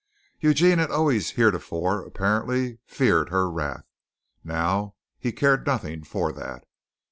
Eugene had always heretofore apparently feared her wrath; now he cared nothing for that.